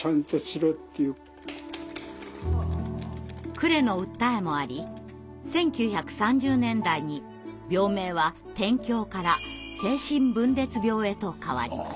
呉の訴えもあり１９３０年代に病名は「癲狂」から「精神分裂病」へと変わります。